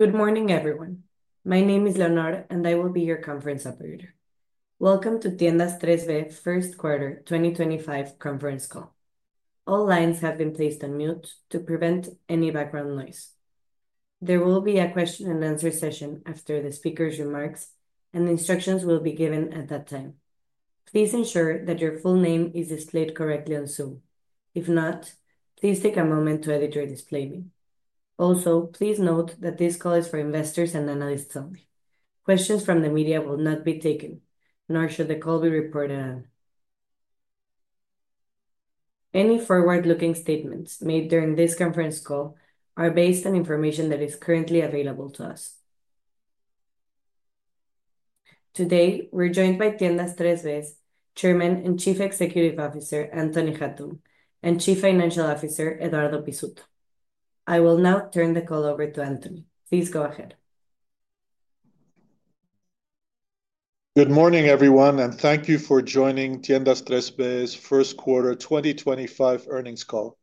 Good morning, everyone. My name is Leonardo, and I will be your conference operator. Welcome to Tiendas Tres B First Quarter 2025 conference call. All lines have been placed on mute to prevent any background noise. There will be a question-and-answer session after the speaker's remarks, and instructions will be given at that time. Please ensure that your full name is displayed correctly on Zoom. If not, please take a moment to edit your display name. Also, please note that this call is for investors and analysts only. Questions from the media will not be taken, nor should the call be reported on. Any forward-looking statements made during this conference call are based on information that is currently available to us. Today, we're joined by Tiendas Tres B's Chairman and Chief Executive Officer Anthony Hatoum and Chief Financial Officer Eduardo Pizzuto. I will now turn the call over to Anthony. Please go ahead. Good morning, everyone, and thank you for joining Tiendas Tres B's First Quarter 2025 earnings call.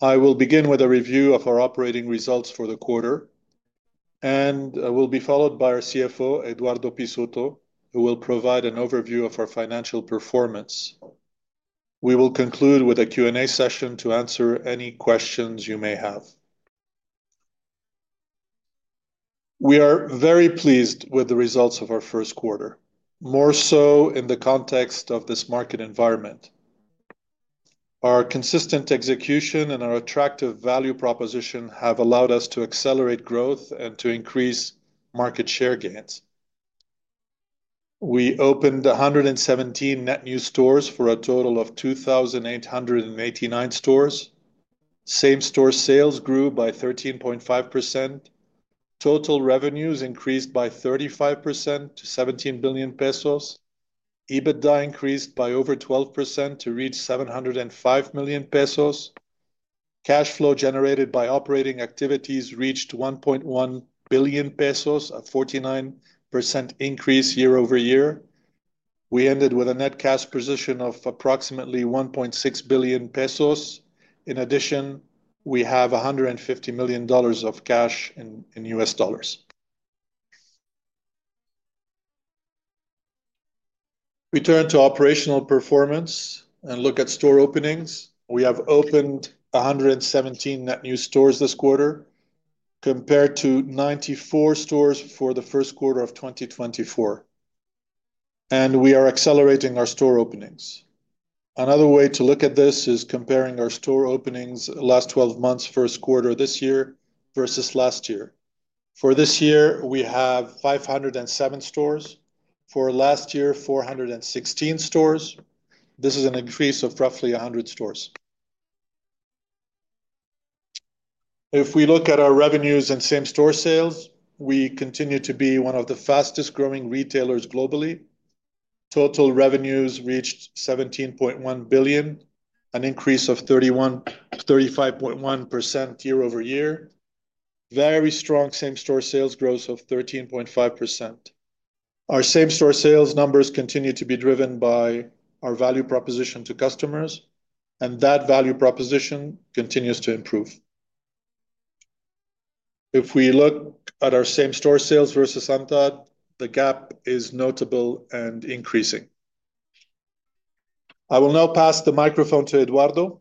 I will begin with a review of our operating results for the quarter, and I will be followed by our CFO, Eduardo Pizzuto, who will provide an overview of our financial performance. We will conclude with a Q&A session to answer any questions you may have. We are very pleased with the results of our first quarter, more so in the context of this market environment. Our consistent execution and our attractive value proposition have allowed us to accelerate growth and to increase market share gains. We opened 117 net new stores for a total of 2,889 stores. Same-store sales grew by 13.5%. Total revenues increased by 35% to 17 billion pesos. EBITDA increased by over 12% to reach 705 million pesos. Cash flow generated by operating activities reached 1.1 billion pesos, a 49% increase year over year. We ended with a net cash position of approximately 1.6 billion pesos. In addition, we have $150 million of cash. We turn to operational performance and look at store openings. We have opened 117 net new stores this quarter, compared to 94 stores for the first quarter of 2024, and we are accelerating our store openings. Another way to look at this is comparing our store openings, the last 12 months first quarter of this year versus last year. For this year, we have 507 stores. For last year, 416 stores. This is an increase of roughly 100 stores. If we look at our revenues and same-store sales, we continue to be one of the fastest-growing retailers globally. Total revenues reached 17.1 billion, an increase of 35.1% year over year. Very strong same-store sales growth of 13.5%. Our same-store sales numbers continue to be driven by our value proposition to customers, and that value proposition continues to improve. If we look at our same-store sales versus antad, the gap is notable and increasing. I will now pass the microphone to Eduardo.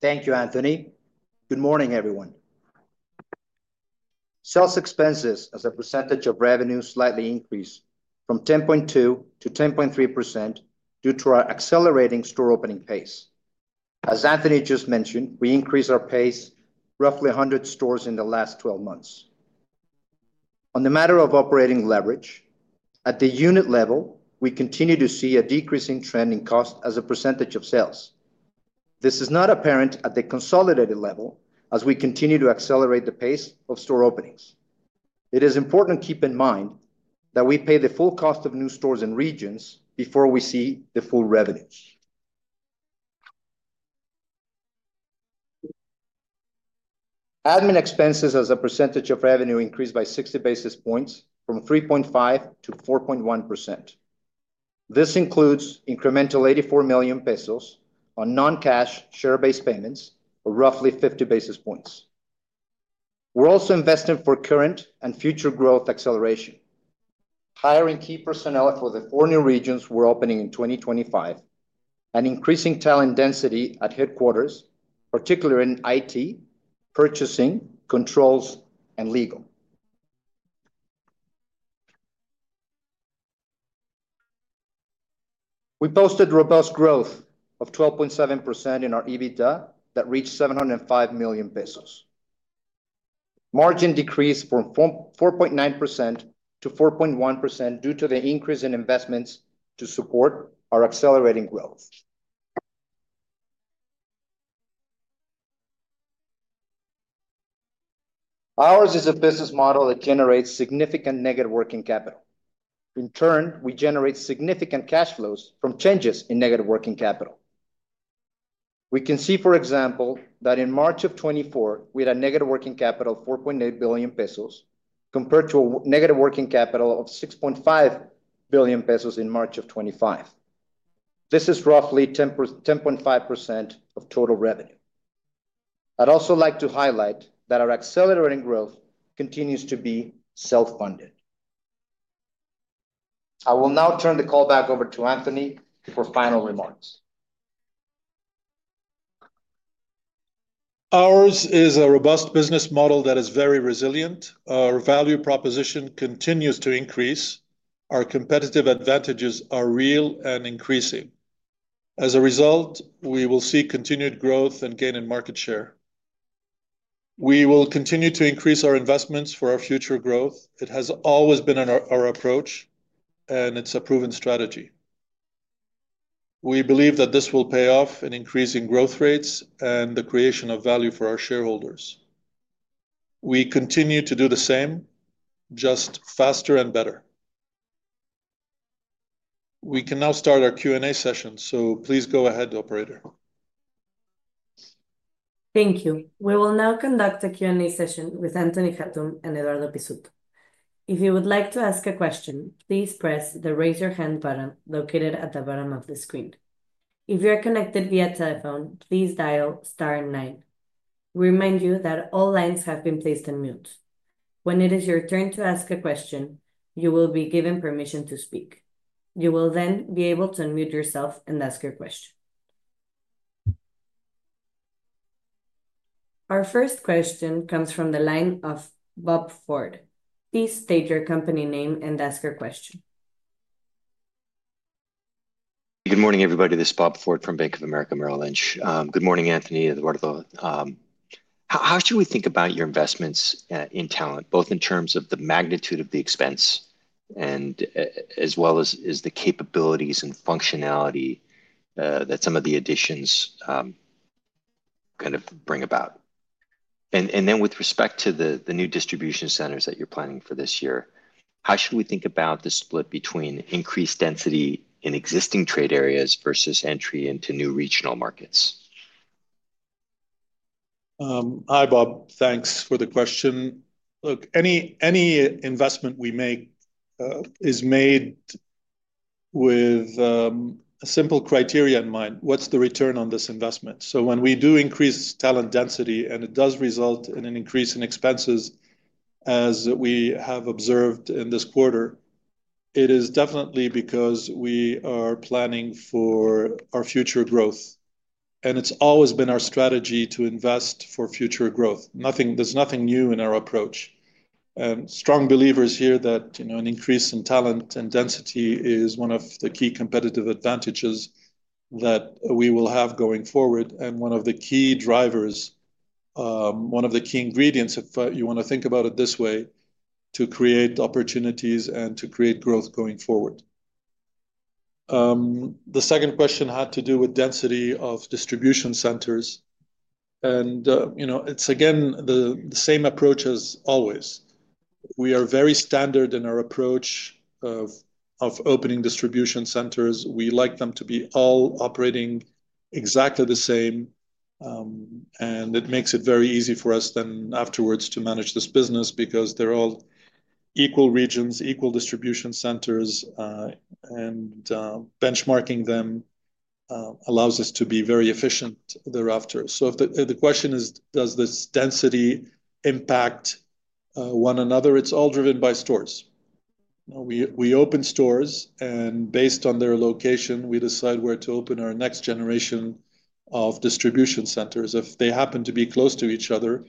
Thank you, Anthony. Good morning, everyone. Sales expenses, as a percentage of revenue, slightly increased from 10.2%-10.3% due to our accelerating store opening pace. As Anthony just mentioned, we increased our pace roughly 100 stores in the last 12 months. On the matter of operating leverage, at the unit level, we continue to see a decreasing trend in cost as a percentage of sales. This is not apparent at the consolidated level, as we continue to accelerate the pace of store openings. It is important to keep in mind that we pay the full cost of new stores in regions before we see the full revenues. Admin expenses, as a percentage of revenue, increased by 60 basis points from 3.5%-4.1%. This includes incremental 84 million pesos on non-cash share-based payments, roughly 50 basis points. We're also investing for current and future growth acceleration, hiring key personnel for the four new regions we're opening in 2025, and increasing talent density at headquarters, particularly in IT, purchasing, controls, and legal. We posted robust growth of 12.7% in our EBITDA that reached 705 million pesos. Margin decreased from 4.9%-4.1% due to the increase in investments to support our accelerating growth. Ours is a business model that generates significant negative working capital. In turn, we generate significant cash flows from changes in negative working capital. We can see, for example, that in March of 2024, we had a negative working capital of 4.8 billion pesos compared to a negative working capital of 6.5 billion pesos in March of 2025. This is roughly 10.5% of total revenue. I'd also like to highlight that our accelerating growth continues to be self-funded. I will now turn the call back over to Anthony for final remarks. Ours is a robust business model that is very resilient. Our value proposition continues to increase. Our competitive advantages are real and increasing. As a result, we will see continued growth and gain in market share. We will continue to increase our investments for our future growth. It has always been our approach, and it's a proven strategy. We believe that this will pay off in increasing growth rates and the creation of value for our shareholders. We continue to do the same, just faster and better. We can now start our Q&A session, so please go ahead, the Operator. Thank you. We will now conduct a Q&A session with Anthony Hatoum and Eduardo Pizzuto. If you would like to ask a question, please press the raise-your-hand button located at the bottom of the screen. If you are connected via telephone, please dial star nine. We remind you that all lines have been placed on mute. When it is your turn to ask a question, you will be given permission to speak. You will then be able to unmute yourself and ask your question. Our first question comes from the line of Bob Ford. Please state your company name and ask your question. Good morning, everybody. This is Bob Ford from Bank of America Merrill Lynch. Good morning, Anthony and Eduardo. How should we think about your investments in talent, both in terms of the magnitude of the expense as well as the capabilities and functionality that some of the additions kind of bring about? With respect to the new distribution centers that you're planning for this year, how should we think about the split between increased density in existing trade areas versus entry into new regional markets? Hi, Bob. Thanks for the question. Look, any investment we make is made with a simple criteria in mind: what's the return on this investment? When we do increase talent density and it does result in an increase in expenses, as we have observed in this quarter, it is definitely because we are planning for our future growth. It's always been our strategy to invest for future growth. There is nothing new in our approach, strong believers here that an increase in talent and density is one of the key competitive advantages that we will have going forward and one of the key drivers, one of the key ingredients if you want to think about it this way, to create opportunities and to create growth going forward. The second question had to do with density of distribution centers. It is, again, the same approach as always. We are very standard in our approach of opening distribution centers. We like them to be all operating exactly the same. It makes it very easy for us then afterwards to manage this business because they are all equal regions, equal distribution centers, and benchmarking them allows us to be very efficient thereafter. If the question is, does this density impact one another? It is all driven by stores. We open stores, and based on their location, we decide where to open our next generation of distribution centers. If they happen to be close to each other,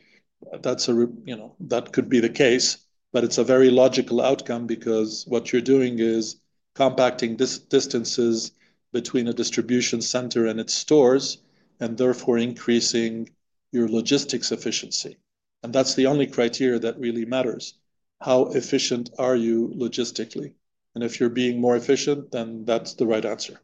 that could be the case, but it is a very logical outcome because what you are doing is compacting these distances between a distribution center and its stores and therefore increasing your logistics efficiency. That is the only criteria that really matters: how efficient are you logistically? If you're being more efficient, then that's the right answer.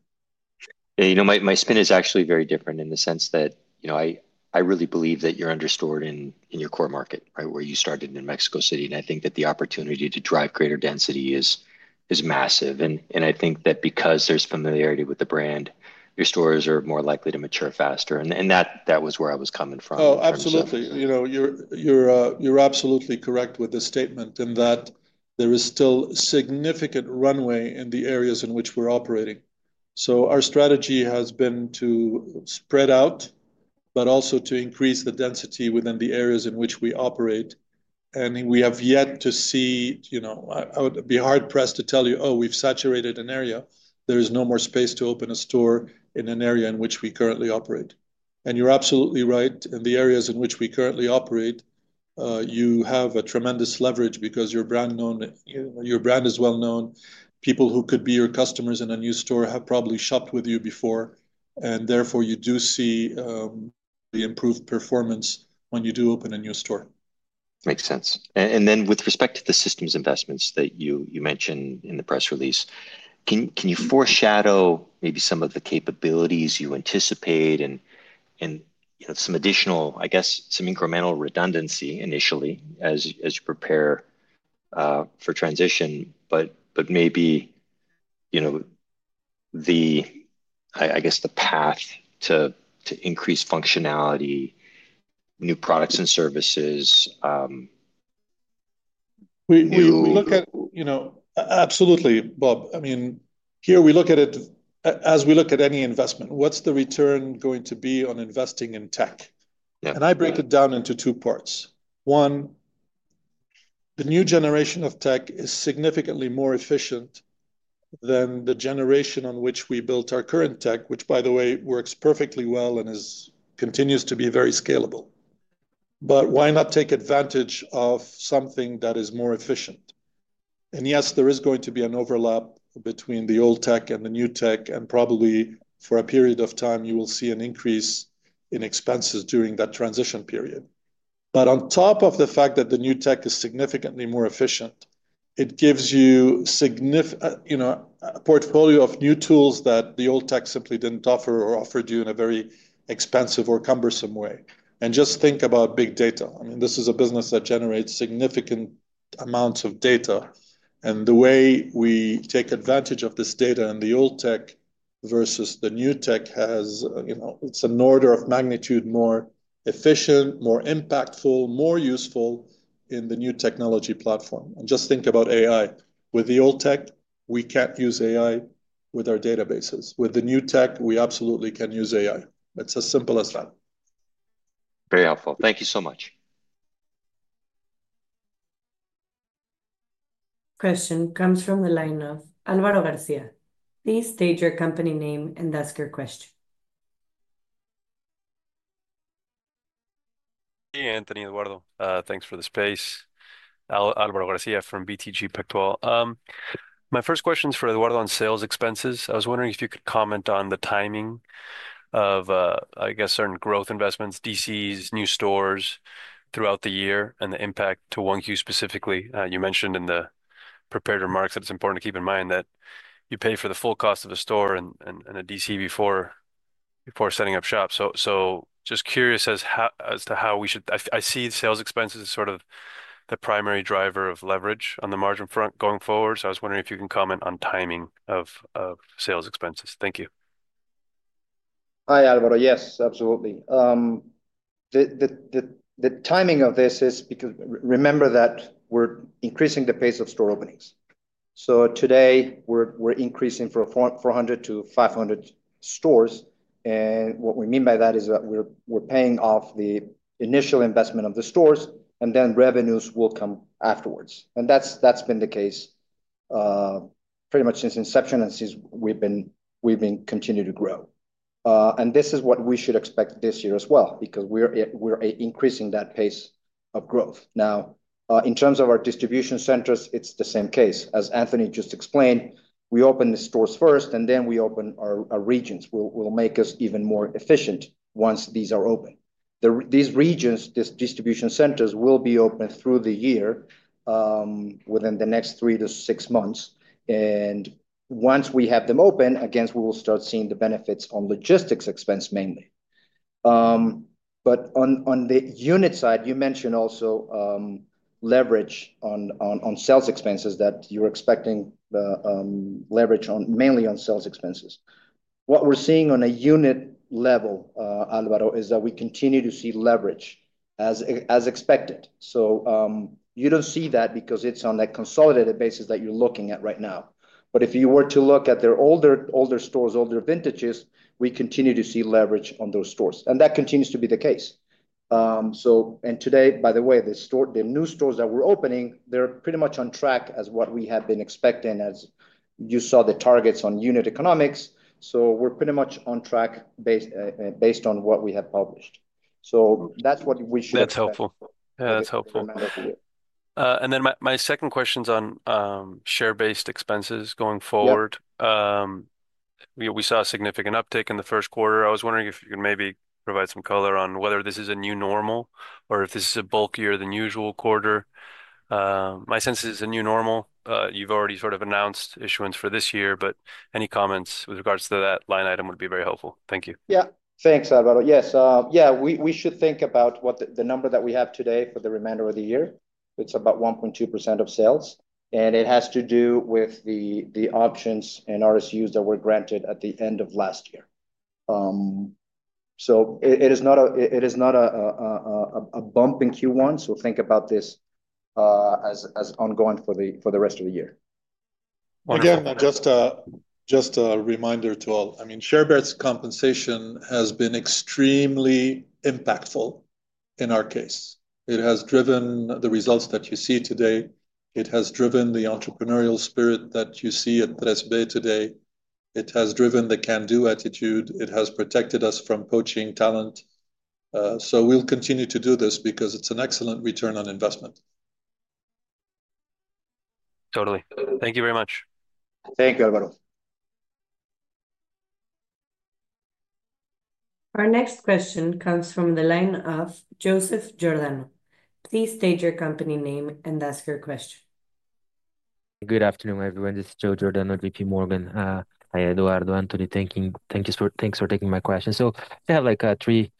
You know, my spin is actually very different in the sense that I really believe that you're understored in your core market, right, where you started in Mexico City. I think that the opportunity to drive greater density is massive. I think that because there's familiarity with the brand, your stores are more likely to mature faster. That was where I was coming from. Oh, absolutely. You're absolutely correct with the statement in that there is still significant runway in the areas in which we're operating. Our strategy has been to spread out, but also to increase the density within the areas in which we operate. We have yet to see, I would be hard-pressed to tell you, "Oh, we've saturated an area. There is no more space to open a store in an area in which we currently operate." You're absolutely right. In the areas in which we currently operate, you have a tremendous leverage because your brand is well-known. People who could be your customers in a new store have probably shopped with you before. Therefore, you do see the improved performance when you do open a new store. Makes sense. With respect to the systems investments that you mentioned in the press release, can you foreshadow maybe some of the capabilities you anticipate and some additional, I guess, some incremental redundancy initially as you prepare for transition, but maybe the path to increase functionality, new products and services? We look at, absolutely, Bob. I mean, here we look at it as we look at any investment. What's the return going to be on investing in tech? I break it down into two parts. One, the new generation of tech is significantly more efficient than the generation on which we built our current tech, which, by the way, works perfectly well and continues to be very scalable. Why not take advantage of something that is more efficient? Yes, there is going to be an overlap between the old tech and the new tech, and probably for a period of time, you will see an increase in expenses during that transition period. On top of the fact that the new tech is significantly more efficient, it gives you a portfolio of new tools that the old tech simply didn't offer or offered you in a very expensive or cumbersome way. Just think about big data. I mean, this is a business that generates significant amounts of data. The way we take advantage of this data in the old tech versus the new tech has, it's an order of magnitude more efficient, more impactful, more useful in the new technology platform. Just think about AI. With the old tech, we can't use AI with our databases. With the new tech, we absolutely can use AI. It is as simple as that. Very helpful. Thank you so much. Question comes from the line of Alvaro García. Please state your company name and ask your question. Hey, Anthony, Eduardo. Thanks for the space. Alvaro Garcia from BTG Pactual. My first question is for Eduardo on sales expenses. I was wondering if you could comment on the timing of, I guess, certain growth investments, DCs, new stores throughout the year, and the impact to 1Q specifically. You mentioned in the prepared remarks that it's important to keep in mind that you pay for the full cost of a store and a DC before setting up shop. Just curious as to how we should, I see sales expenses as sort of the primary driver of leverage on the margin front going forward. I was wondering if you can comment on timing of sales expenses. Thank you. Hi, Alvaro. Yes, absolutely. The timing of this is because remember that we're increasing the pace of store openings. Today, we're increasing from 400-500 stores. What we mean by that is that we're paying off the initial investment of the stores, and then revenues will come afterwards. That has been the case pretty much since inception and since we've been continuing to grow. This is what we should expect this year as well because we're increasing that pace of growth. In terms of our distribution centers, it's the same case. As Anthony just explained, we open the stores first, and then we open our regions. What will make us even more efficient once these are open. These regions, these distribution centers will be open through the year within the next three to six months. Once we have them open, again, we will start seeing the benefits on logistics expense mainly. On the unit side, you mentioned also leverage on sales expenses that you're expecting leverage mainly on sales expenses. What we're seeing on a unit level, Alvaro, is that we continue to see leverage as expected. You don't see that because it's on that consolidated basis that you're looking at right now. If you were to look at their older stores, older vintages, we continue to see leverage on those stores. That continues to be the case. Today, by the way, the new stores that we're opening, they're pretty much on track as what we have been expecting as you saw the targets on unit economics. We're pretty much on track based on what we have published. That's what we should expect. Yeah, that's helpful. My second question is on share-based expenses going forward. We saw a significant uptick in the first quarter. I was wondering if you could maybe provide some color on whether this is a new normal or if this is a bulkier than usual quarter. My sense is it's a new normal. You've already sort of announced issuance for this year, but any comments with regards to that line item would be very helpful. Thank you. Yeah, thanks, Álvaro. Yeah, we should think about the number that we have today for the remainder of the year. It's about 1.2% of sales. And it has to do with the options and RSUs that were granted at the end of last year. So it is not a bump in Q1, so think about this as ongoing for the rest of the year. Again, just a reminder to all. I mean, share-based compensation has been extremely impactful in our case. It has driven the results that you see today. It has driven the entrepreneurial spirit that you see at Tres B today. It has driven the can-do attitude. It has protected us from poaching talent. We will continue to do this because it's an excellent return on investment. Totally. Thank you very much. Thank you, Alvaro. Our next question comes from the line of Joseph Giordano. Please state your company name and ask your question. Good afternoon, everyone. This is Joe Giordano with JP Morgan. Hi, Eduardo, Anthony. Thanks for taking my question. I have three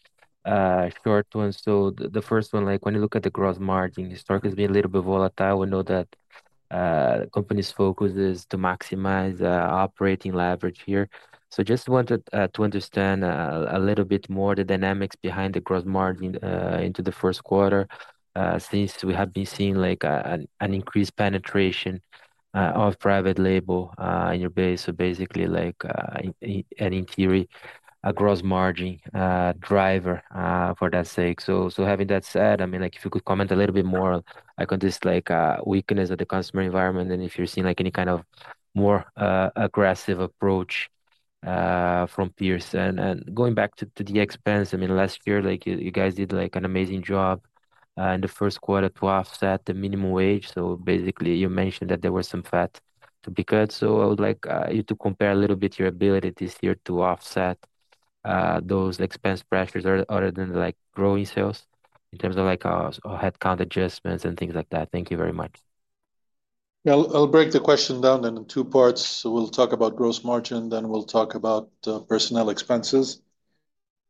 short ones. The first one, when you look at the gross margin, historically, it has been a little bit volatile. We know that the company's focus is to maximize operating leverage here. I just wanted to understand a little bit more the dynamics behind the gross margin into the first quarter since we have been seeing an increased penetration of private label in your base, so basically, and in theory, a gross margin driver for that sake. Having that said, I mean, if you could comment a little bit more on just the weakness of the consumer environment and if you are seeing any kind of more aggressive approach from peers. Going back to the expense, I mean, last year, you guys did an amazing job in the first quarter to offset the minimal wage. Basically, you mentioned that there were some fat to be cut. I would like you to compare a little bit your abilities here to offset those expense pressures other than growing sales in terms of headcount adjustments and things like that. Thank you very much. Yeah, I'll break the question down in two parts. We'll talk about gross margin, then we'll talk about personnel expenses.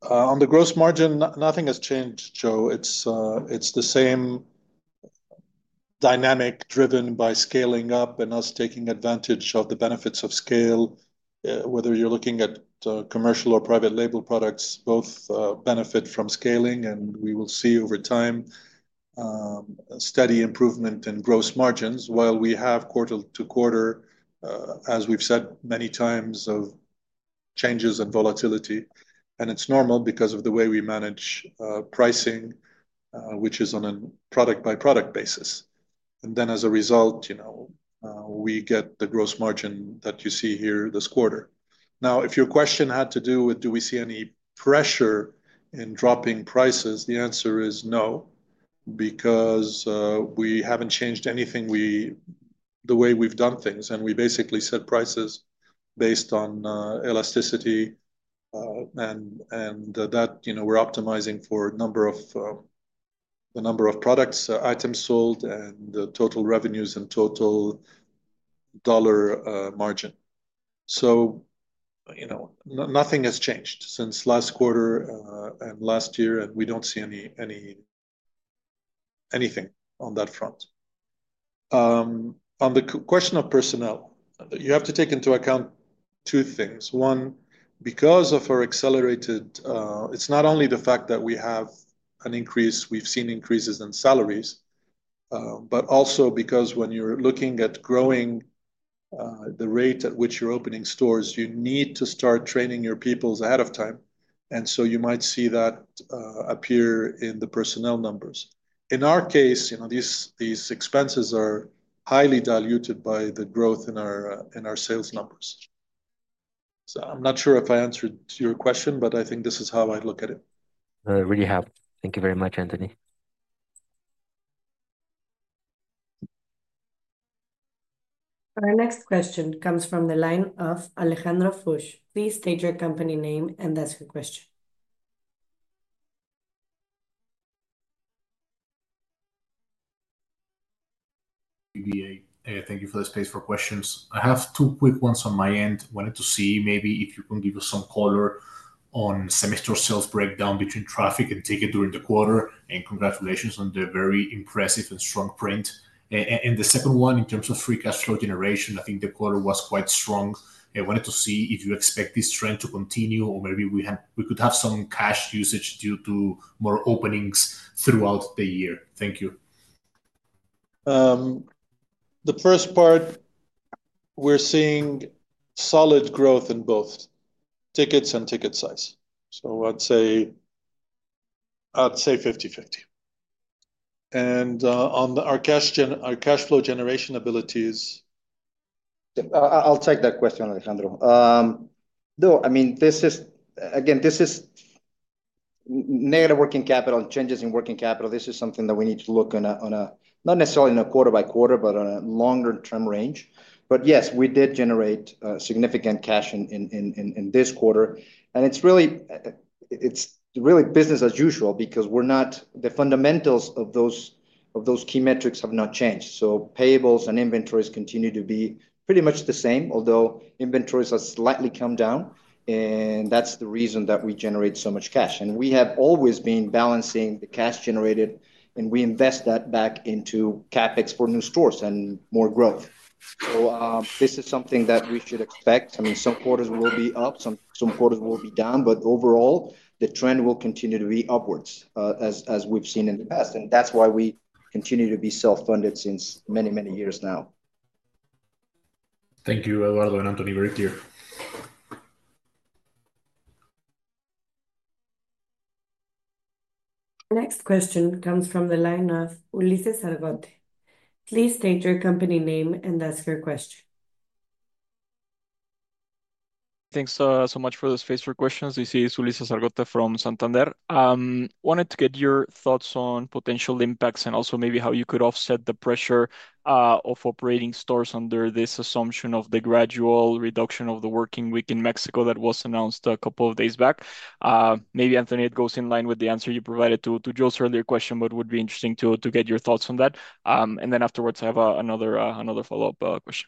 On the gross margin, nothing has changed, Joe. It's the same dynamic driven by scaling up and us taking advantage of the benefits of scale. Whether you're looking at commercial or private label products, both benefit from scaling, and we will see over time a steady improvement in gross margins while we have quarter to quarter, as we've said many times, of changes and volatility. It's normal because of the way we manage pricing, which is on a product-by-product basis. As a result, we get the gross margin that you see here this quarter. Now, if your question had to do with do we see any pressure in dropping prices, the answer is no because we haven't changed anything the way we've done things. We basically set prices based on elasticity and that we're optimizing for the number of products, items sold, and total revenues and total dollar margin. Nothing has changed since last quarter and last year, and we don't see anything on that front. On the question of personnel, you have to take into account two things. One, because of our accelerated, it's not only the fact that we have an increase, we've seen increases in salaries, but also because when you're looking at growing the rate at which you're opening stores, you need to start training your people ahead of time. You might see that appear in the personnel numbers. In our case, these expenses are highly diluted by the growth in our sales numbers. I'm not sure if I answered your question, but I think this is how I'd look at it. You really have. Thank you very much, Anthony. Our next question comes from the line of Alejandro Fuchs. Please state your company name and ask your question. Thank you for the space for questions. I have two quick ones on my end. I wanted to see maybe if you can give us some color on same-store sales breakdown between traffic and ticket during the quarter. Congratulations on the very impressive and strong print. The second one, in terms of free cash flow generation, I think the quarter was quite strong. I wanted to see if you expect this trend to continue or maybe we could have some cash usage due to more openings throughout the year. Thank you. The first part, we're seeing solid growth in both tickets and ticket size. I'd say 50/50. On our cash flow generation abilities. I'll take that question, Alejandro. No, I mean, again, this is net working capital, changes in working capital. This is something that we need to look on a not necessarily in a quarter-by-quarter, but on a longer-term range. Yes, we did generate significant cash in this quarter. It is really business as usual because the fundamentals of those key metrics have not changed. Payables and inventories continue to be pretty much the same, although inventories have slightly come down. That's the reason that we generate so much cash. We have always been balancing the cash generated, and we invest that back into CapEx for new stores and more growth. This is something that we should expect. I mean, some quarters will be up, some quarters will be down, but overall, the trend will continue to be upwards as we've seen in the past. That's why we continue to be self-funded since many, many years now. Thank you, Eduardo and Anthony. Very clear. The next question comes from the line of Ulises Argote. Please state your company name and ask your question. Thanks so much for the space for questions. This is Ulises Argote from Santander. I wanted to get your thoughts on potential impacts and also maybe how you could offset the pressure of operating stores under this assumption of the gradual reduction of the working week in Mexico that was announced a couple of days back. Maybe, Anthony, it goes in line with the answer you provided to Joe's earlier question, but it would be interesting to get your thoughts on that. Afterwards, I have another follow-up question.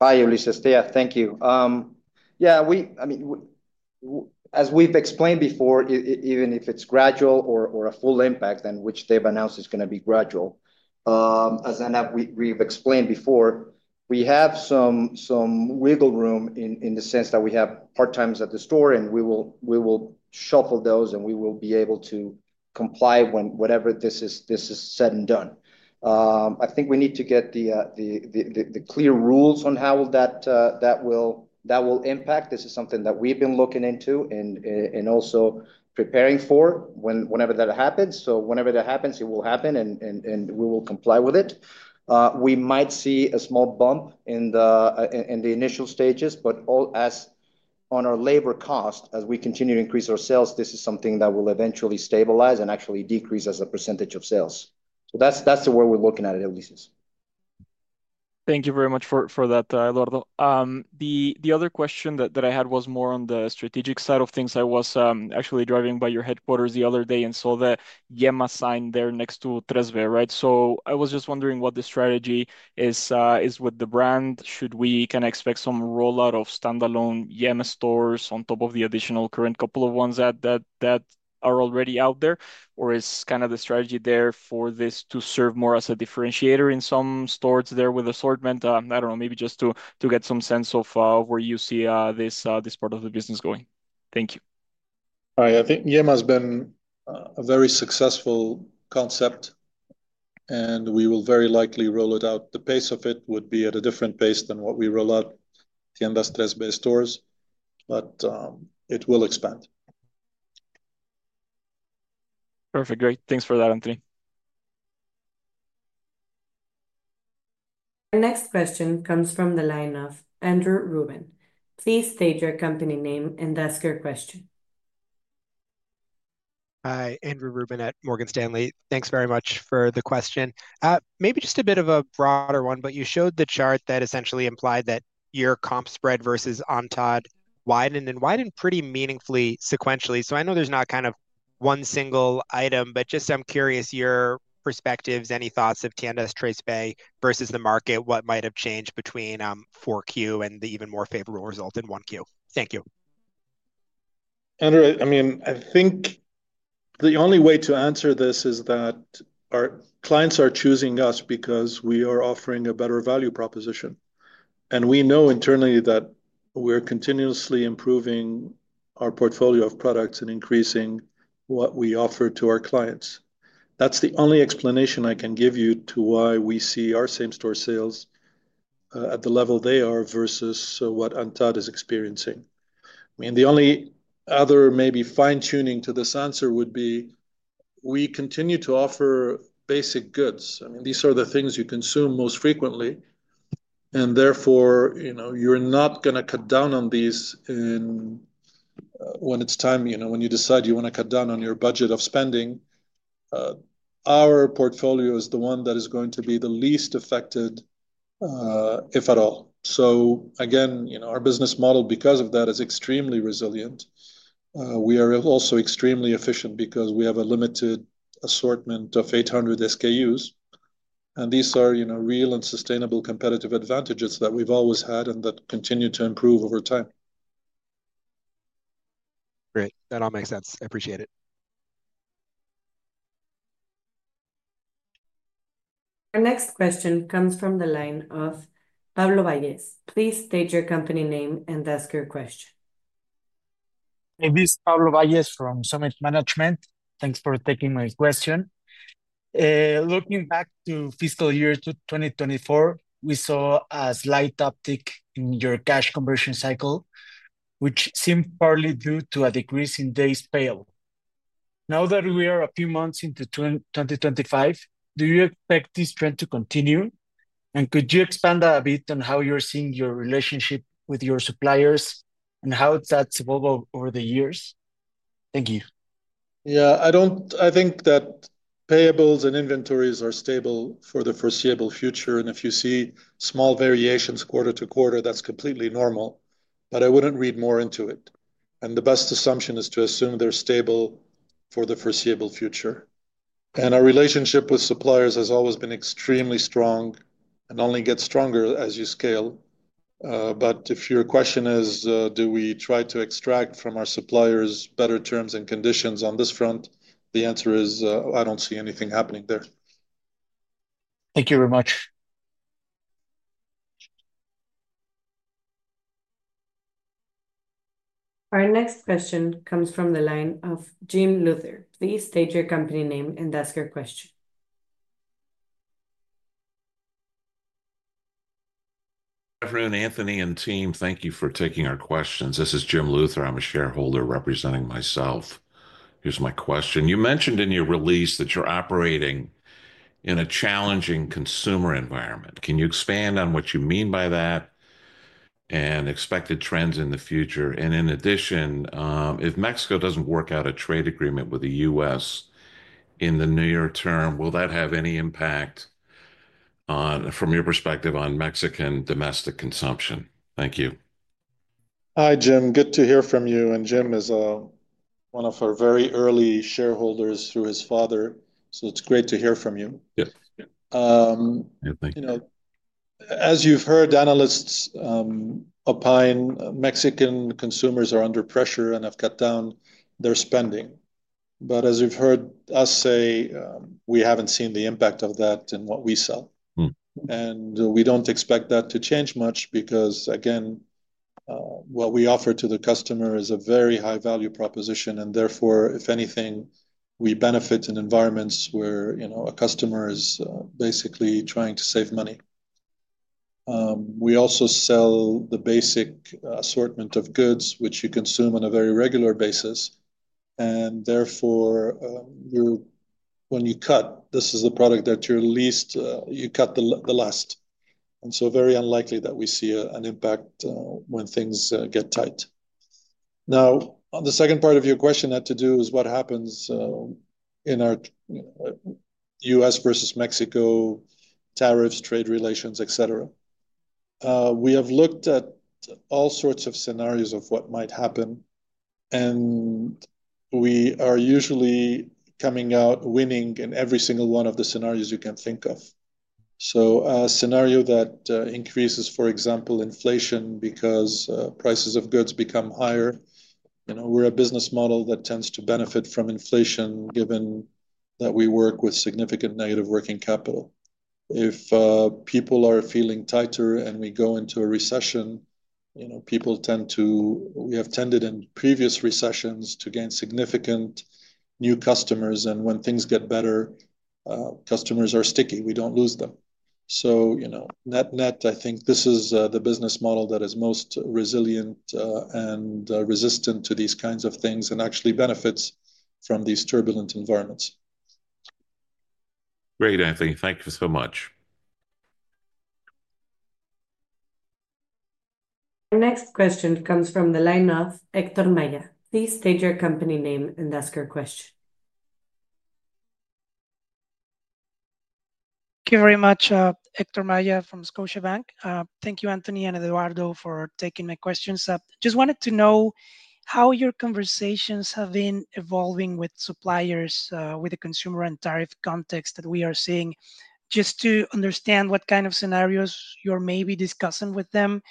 Hi, Ulises. Thank you. Yeah, I mean, as we've explained before, even if it's gradual or a full impact, which they've announced is going to be gradual. As we've explained before, we have some wiggle room in the sense that we have part-times at the store, and we will shuffle those, and we will be able to comply when whatever this is said and done. I think we need to get the clear rules on how that will impact. This is something that we've been looking into and also preparing for whenever that happens. Whenever that happens, it will happen, and we will comply with it. We might see a small bump in the initial stages, but as on our labor cost, as we continue to increase our sales, this is something that will eventually stabilize and actually decrease as a percentage of sales. That's the way we're looking at it, Ulises. Thank you very much for that, Eduardo. The other question that I had was more on the strategic side of things. I was actually driving by your headquarters the other day and saw that YEMA sign there next to Tres B, right? So I was just wondering what the strategy is with the brand. Should we kind of expect some rollout of standalone YEMA stores on top of the additional current couple of ones that are already out there? Or is kind of the strategy there for this to serve more as a differentiator in some stores there with assortment? i don't know, maybe just to get some sense of where you see this part of the business going. Thank you. I think YEMA has been a very successful concept, and we will very likely roll it out. The pace of it would be at a different pace than what we roll out at Tiendas Tres B stores, but it will expand. Perfect. Great. Thanks for that, Anthony. Our next question comes from the line of Andrew Ruben. Please state your company name and ask your question. Hi, Andrew Ruben at Morgan Stanley. Thanks very much for the question. Maybe just a bit of a broader one, but you showed the chart that essentially implied that your comp spread versus antad widened and widened pretty meaningfully sequentially. I know there's not kind of one single item, but just I'm curious your perspectives, any thoughts of Tiendas Tres B versus the market, what might have changed between 4Q and the even more favorable result in 1Q. Thank you. Andrew, I mean, I think the only way to answer this is that our clients are choosing us because we are offering a better value proposition. And we know internally that we're continuously improving our portfolio of products and increasing what we offer to our clients. That's the only explanation I can give you to why we see our same-store sales at the level they are versus what antad is experiencing. I mean, the only other maybe fine-tuning to this answer would be we continue to offer basic goods. I mean, these are the things you consume most frequently, and therefore, you're not going to cut down on these when it's time, when you decide you want to cut down on your budget of spending. Our portfolio is the one that is going to be the least affected, if at all. Again, our business model because of that is extremely resilient. We are also extremely efficient because we have a limited assortment of 800 SKUs. These are real and sustainable competitive advantages that we've always had and that continue to improve over time. Great. That all makes sense. I appreciate it. Our next question comes from the line of Pablo Valles. Please state your company name and ask your question. This is Pablo Valles from Summit Management. Thanks for taking my question. Looking back to fiscal year 2024, we saw a slight uptick in your cash conversion cycle, which seemed partly due to a decrease in day's payable. Now that we are a few months into 2025, do you expect this trend to continue? Could you expand that a bit on how you're seeing your relationship with your suppliers and how that's evolved over the years? Thank you. Yeah, I think that payables and inventories are stable for the foreseeable future. If you see small variations quarter to quarter, that's completely normal. I wouldn't read more into it. The best assumption is to assume they're stable for the foreseeable future. Our relationship with suppliers has always been extremely strong and only gets stronger as you scale. If your question is, do we try to extract from our suppliers better terms and conditions on this front, the answer is I don't see anything happening there. Thank you very much. Our next question comes from the line of Jim Luther. Please state your company name and ask your question. Good afternoon, Anthony and team. Thank you for taking our questions. This is Jim Luther. I'm a shareholder representing myself. Here's my question. You mentioned in your release that you're operating in a challenging consumer environment. Can you expand on what you mean by that and expected trends in the future? In addition, if Mexico doesn't work out a trade agreement with the U.S. in the near term, will that have any impact from your perspective on Mexican domestic consumption? Thank you. Hi, Jim. Good to hear from you. Jim is one of our very early shareholders through his father. It is great to hear from you. Yes. Thank you. As you've heard, analysts opine Mexican consumers are under pressure and have cut down their spending. As you've heard us say, we haven't seen the impact of that in what we sell. We don't expect that to change much because, again, what we offer to the customer is a very high-value proposition. Therefore, if anything, we benefit in environments where a customer is basically trying to save money. We also sell the basic assortment of goods, which you consume on a very regular basis. Therefore, when you cut, this is the product that you cut the last. It is very unlikely that we see an impact when things get tight. Now, the second part of your question had to do with what happens in our U.S. versus Mexico tariffs, trade relations, etc. We have looked at all sorts of scenarios of what might happen, and we are usually coming out winning in every single one of the scenarios you can think of. A scenario that increases, for example, inflation because prices of goods become higher. We are a business model that tends to benefit from inflation given that we work with significant negative working capital. If people are feeling tighter and we go into a recession, people tend to, we have tended in previous recessions to gain significant new customers. When things get better, customers are sticky. We don't lose them. Net-net, I think this is the business model that is most resilient and resistant to these kinds of things and actually benefits from these turbulent environments. Great, Anthony. Thank you so much. Our next question comes from the line of Héctor Maya. Please state your company name and ask your question. Thank you very much, Héctor Maya from Scotiabank. Thank you, Anthony and Eduardo, for taking my questions. Just wanted to know how your conversations have been evolving with suppliers, with the consumer and tariff context that we are seeing, just to understand what kind of scenarios you're maybe discussing with them,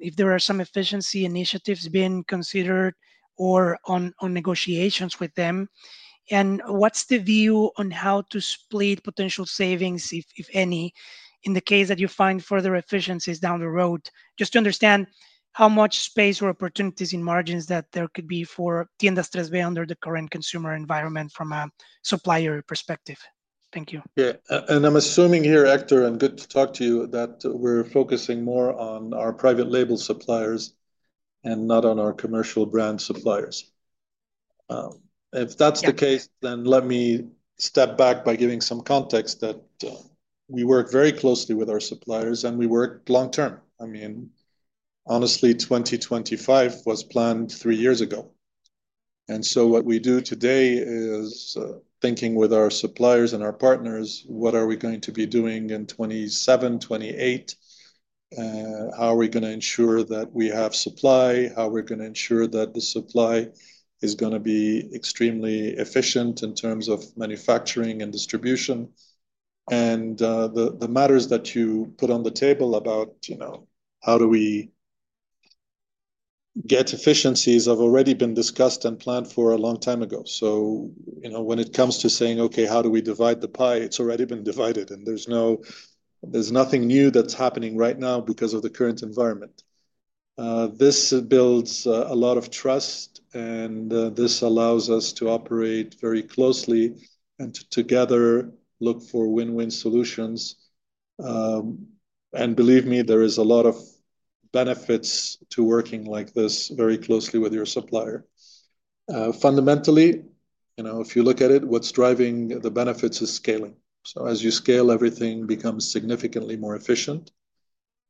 if there are some efficiency initiatives being considered or on negotiations with them. What's the view on how to split potential savings, if any, in the case that you find further efficiencies down the road, just to understand how much space or opportunities in margins that there could be for Tiendas Tres B under the current consumer environment from a supplier perspective. Thank you. Yeah. I'm assuming here, Héctor, and good to talk to you, that we're focusing more on our private label suppliers and not on our commercial brand suppliers. If that's the case, let me step back by giving some context that we work very closely with our suppliers and we work long-term. I mean, honestly, 2025 was planned three years ago. What we do today is thinking with our suppliers and our partners, what are we going to be doing in 2027, 2028. How are we going to ensure that we have supply? How are we going to ensure that the supply is going to be extremely efficient in terms of manufacturing and distribution? The matters that you put on the table about how do we get efficiencies have already been discussed and planned for a long time ago. When it comes to saying, okay, how do we divide the pie? It's already been divided, and there's nothing new that's happening right now because of the current environment. This builds a lot of trust, and this allows us to operate very closely and together look for win-win solutions. Believe me, there is a lot of benefits to working like this very closely with your supplier. Fundamentally, if you look at it, what's driving the benefits is scaling. As you scale, everything becomes significantly more efficient,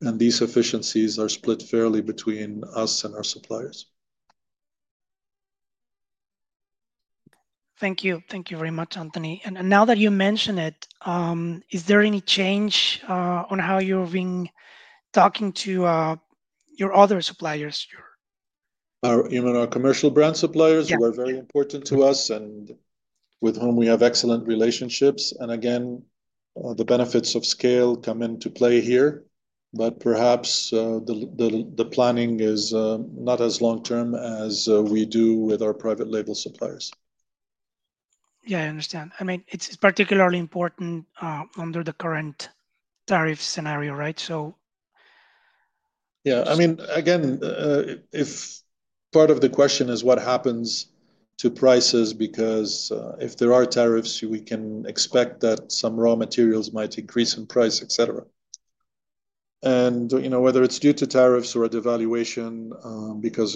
and these efficiencies are split fairly between us and our suppliers. Thank you. Thank you very much, Anthony. Now that you mention it, is there any change on how you've been talking to your other suppliers? Our commercial brand suppliers who are very important to us and with whom we have excellent relationships. Again, the benefits of scale come into play here, but perhaps the planning is not as long-term as we do with our private label suppliers. Yeah, I understand. I mean, it's particularly important under the current tariff scenario, right? Yeah. I mean, again, if part of the question is what happens to prices, because if there are tariffs, we can expect that some raw materials might increase in price, etc. Whether it's due to tariffs or devaluation, because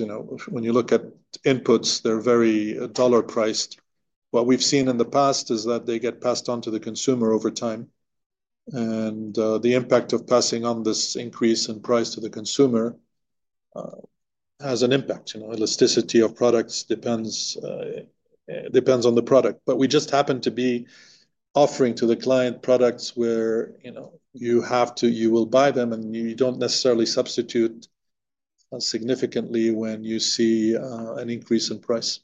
when you look at inputs, they're very dollar priced. What we've seen in the past is that they get passed on to the consumer over time. The impact of passing on this increase in price to the consumer has an impact. Elasticity of products depends on the product. We just happen to be offering to the client products where you have to, you will buy them, and you don't necessarily substitute significantly when you see an increase in price.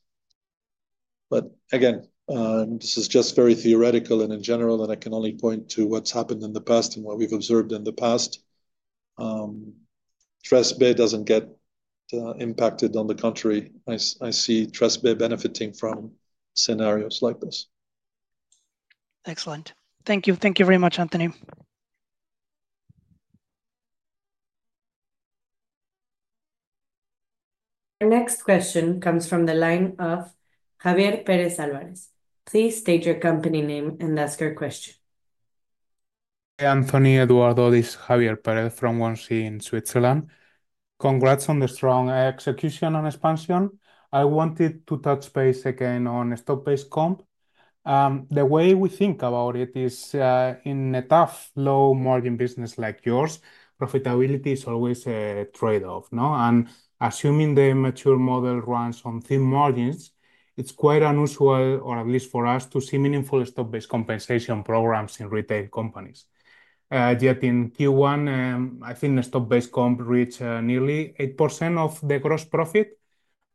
This is just very theoretical and in general, and I can only point to what has happened in the past and what we have observed in the past. Tres B doesn't get impacted. On the contrary, I see Tres B benefiting from scenarios like this. Excellent. Thank you very much, Anthony. Our next question comes from the line of Javier Pérez Alvarez. Please state your company name and ask your question. Hi, Anthony, Eduardo, this is Javier Pérez from 1C in Switzerland. Congrats on the strong execution and expansion. I wanted to touch base again on stock-based comp. The way we think about it is in a tough low-margin business like yours, profitability is always a trade-off. Assuming the mature model runs on thin margins, it's quite unusual, or at least for us, to see meaningful stock-based compensation programs in retail companies. Yet in Q1, I think the stock-based comp reached nearly 8% of the gross profit,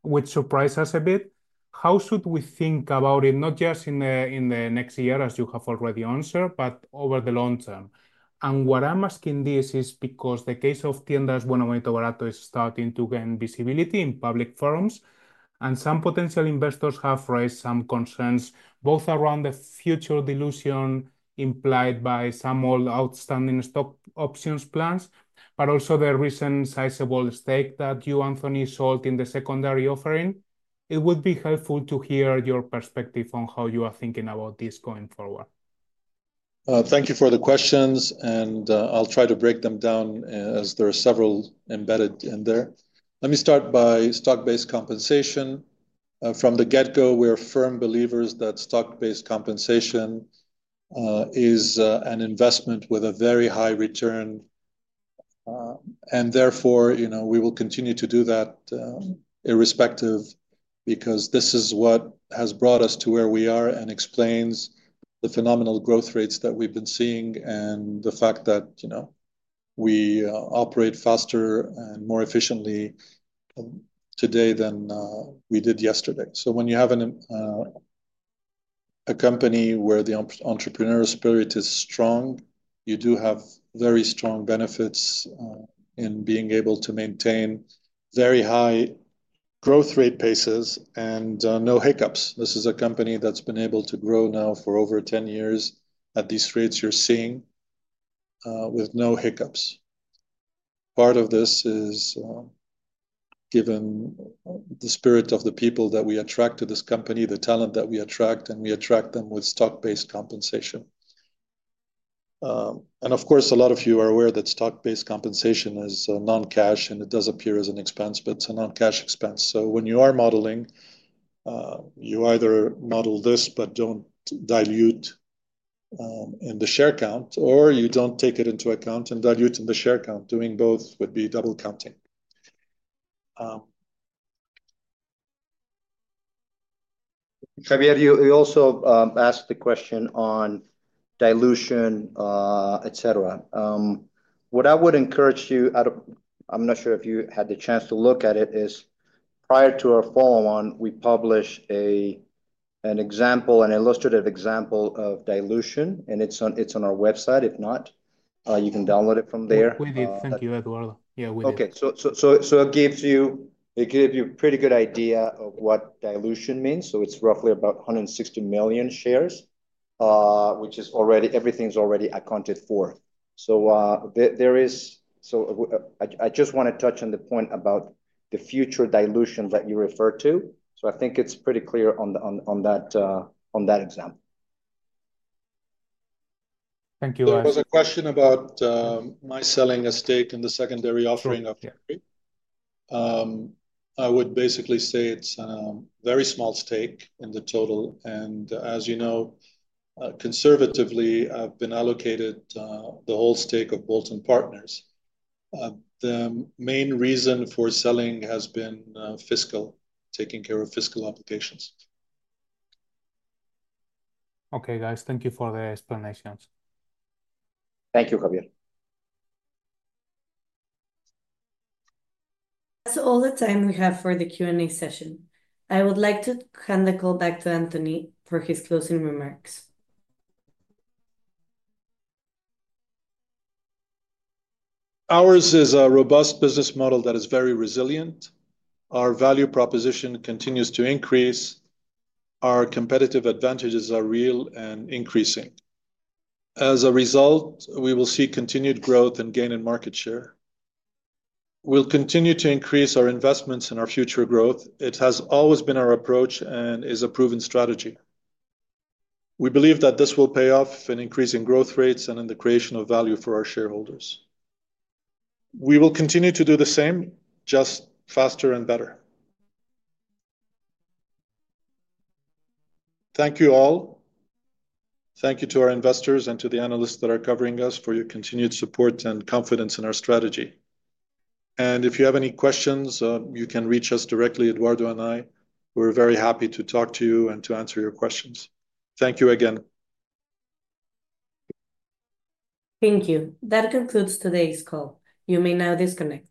which surprised us a bit. How should we think about it, not just in the next year, as you have already answered, but over the long term? What I'm asking this is because the case of Tiendas Buenaventura is starting to gain visibility in public forums. Some potential investors have raised some concerns both around the future dilution implied by some old outstanding stock options plans, but also the recent sizable stake that you, Anthony, sold in the secondary offering. It would be helpful to hear your perspective on how you are thinking about this going forward. Thank you for the questions. I'll try to break them down as there are several embedded in there. Let me start by stock-based compensation. From the get-go, we are firm believers that stock-based compensation is an investment with a very high return. Therefore, we will continue to do that irrespective because this is what has brought us to where we are and explains the phenomenal growth rates that we've been seeing and the fact that we operate faster and more efficiently today than we did yesterday. When you have a company where the entrepreneurial spirit is strong, you do have very strong benefits in being able to maintain very high growth rate paces and no hiccups. This is a company that's been able to grow now for over 10 years at these rates you're seeing with no hiccups. Part of this is given the spirit of the people that we attract to this company, the talent that we attract, and we attract them with stock-based compensation. Of course, a lot of you are aware that stock-based compensation is non-cash, and it does appear as an expense, but it's a non-cash expense. When you are modeling, you either model this but don't dilute in the share count, or you don't take it into account and dilute in the share count. Doing both would be double counting. Javier, you also asked the question on dilution, etc. What I would encourage you, I'm not sure if you had the chance to look at it, is prior to our follow-on, we publish an example, an illustrative example of dilution, and it's on our website. If not, you can download it from there. Thank you, Eduardo. Yeah, I will do. Okay. It gives you a pretty good idea of what dilution means. It is roughly about 160 million shares, which is already, everything is already accounted for. I just want to touch on the point about the future dilution that you referred to. I think it is pretty clear on that example. Thank you, Alvaro. There was a question about my selling a stake in the secondary offering of Tres B. I would basically say it's a very small stake in the total. As you know, conservatively, I've been allocated the whole stake of Bolton Partners. The main reason for selling has been fiscal, taking care of fiscal obligations. Okay, guys, thank you for the explanations. Thank you, Javier. That's all the time we have for the Q&A session. I would like to hand the call back to Anthony for his closing remarks. Ours is a robust business model that is very resilient. Our value proposition continues to increase. Our competitive advantages are real and increasing. As a result, we will see continued growth and gain in market share. We'll continue to increase our investments and our future growth. It has always been our approach and is a proven strategy. We believe that this will pay off in increasing growth rates and in the creation of value for our shareholders. We will continue to do the same, just faster and better. Thank you all. Thank you to our investors and to the analysts that are covering us for your continued support and confidence in our strategy. If you have any questions, you can reach us directly, Eduardo and I. We are very happy to talk to you and to answer your questions. Thank you again. Thank you. That concludes today's call. You may now disconnect.